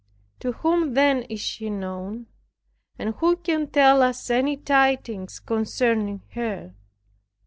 To whom then is she known, and who can tell us any tidings concerning her?